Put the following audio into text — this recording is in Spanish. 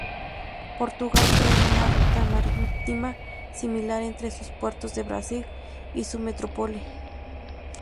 Portugal creó una ruta marítima similar entre sus puertos de Brasil y su metrópoli.